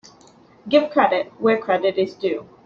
Give credit where credit is due.